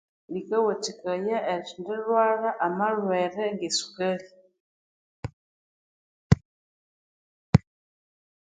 Likawathikaya erithendilhwalha amalhwere nge sukali